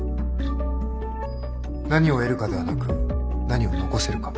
何を得るかではなく何を残せるか。